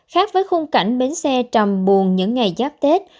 khác với khung cảnh bến xe trầm buồn những ngày giáp tết